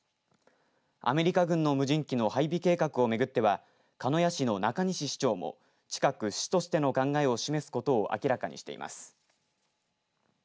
アメリカ軍の無人機の配備計画を巡っては鹿屋市の中西市長も近く市としての考えを示すことを明らかにしています。